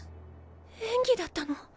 演技だったの？